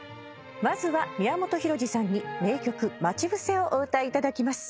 まずは宮本浩次さんに名曲『まちぶせ』をお歌いいただきます。